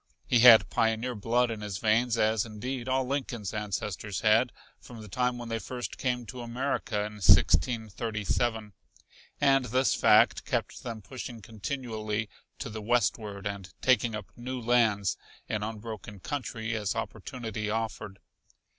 He had pioneer blood in his veins, as, indeed, all Lincoln's ancestors had, from the time when they first came to America in 1637; and this fact kept them pushing continually to the westward and taking up new lands in unbroken country as opportunity offered.